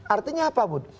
artinya apa bud